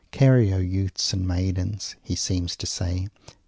"Carry, O Youths and Maidens," he seems to say.